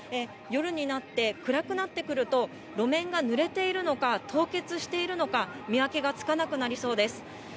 夜になって暗くなってくると、路面がぬれているのか凍結しているのか見分けがつかなくなりそうです。